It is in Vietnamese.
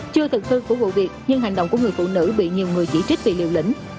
chưa thực sự của vụ việc nhưng hành động của người phụ nữ bị nhiều người chỉ trích vì liều lĩnh